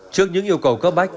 trước những yêu cầu cấp bách